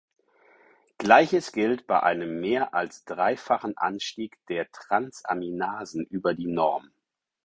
Gleiches gilt bei einem mehr als dreifachen Anstieg der Transaminasen über die Norm.